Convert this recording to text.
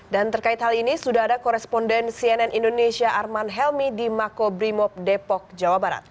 dan terkait hal ini sudah ada koresponden cnn indonesia arman helmi di makobrimob depok jawa barat